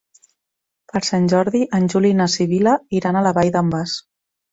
Per Sant Jordi en Juli i na Sibil·la iran a la Vall d'en Bas.